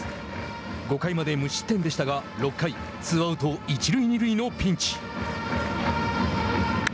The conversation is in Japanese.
５回まで無失点でしたが６回、ツーアウト一塁二塁のピンチ。